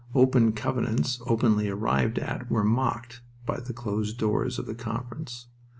Open covenants openly arrived at were mocked by the closed doors of the Conference.